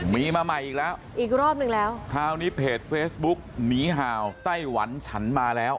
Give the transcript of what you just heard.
มีมาใหม่อีกแล้วอีกรอบนึงแล้วคราวนี้เพจเฟซบุ๊กหนีห่าวไต้หวันฉันมาแล้ว